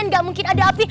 nggak mungkin ada api